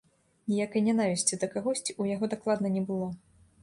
Ніякай нянавісці да кагосьці ў яго дакладна не было.